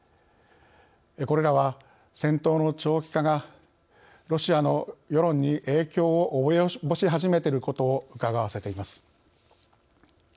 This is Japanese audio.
これらは戦闘の長期化がロシアの世論に影響を及ぼし始めていることをうかがわせています。